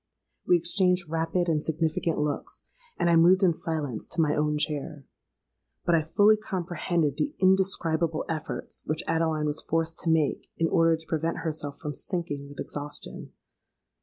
We exchanged rapid and significant looks; and I moved in silence to my own chair. But I fully comprehended the indescribable efforts which Adeline was forced to make in order to prevent herself from sinking with exhaustion.